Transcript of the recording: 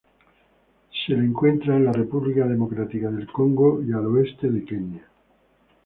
Se lo encuentra en la República Democrática del Congo y el oeste de Kenia.